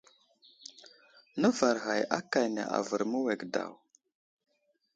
Nəvar ghay akane avər məwege daw.